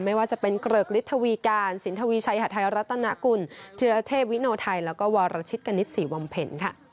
ไม่ว่าจะเป็นเกริกฤทธวีการสินทวีชัยหาดไทยรัฐนากุลธิรเทพวิโนไทยแล้วก็วรชิตกณิตศรีวำเพ็ญค่ะ